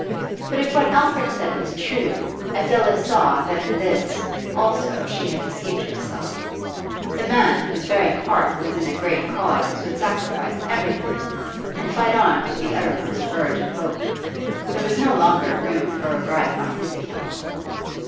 But if what Alfred said was true, Adela saw that in this also she had deceived herself: the man whose very heart was in a great cause would sacrifice everything, and fight on to the uttermost verge of hope. There was no longer room for regret on his account.